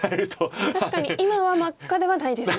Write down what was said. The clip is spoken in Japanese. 確かに今は真っ赤ではないですね。